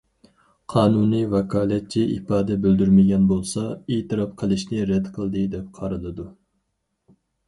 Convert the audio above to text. قانۇنىي ۋاكالەتچى ئىپادە بىلدۈرمىگەن بولسا، ئېتىراپ قىلىشنى رەت قىلدى، دەپ قارىلىدۇ.